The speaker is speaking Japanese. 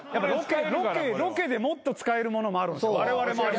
ロケでもっと使えるものもあるわれわれも。